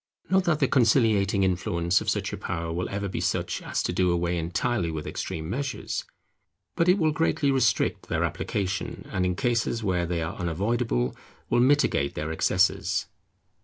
Not that the conciliating influence of such a power will ever be such as to do away entirely with extreme measures; but it will greatly restrict their application, and in cases where they are unavoidable, will mitigate their excesses.